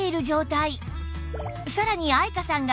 さらに愛華さんが